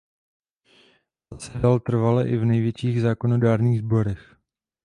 Zasedal trvale i v nejvyšších zákonodárných sborech.